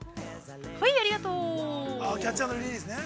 はい、ありがとう。